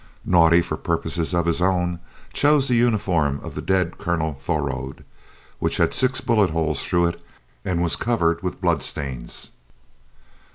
Naudé, for purposes of his own, chose the uniform of the dead Colonel Thorold, which had six bullet holes through it and was covered with blood stains.